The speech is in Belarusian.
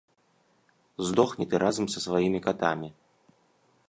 Здохні ты разам са сваімі катамі!